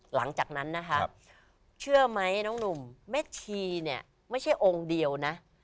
หลังจากนั้นนะคะเชื่อไหมน้องหนุ่มแม่ชีเนี่ยไม่ใช่องค์เดียวนะ